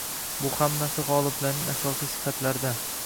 Bu hammasi, g‘oliblarning asosiy sifatlaridan.